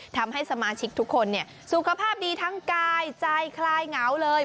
ทำให้สมาชิกทุกคนสุขภาพดีทั้งกายใจคลายเหงาเลย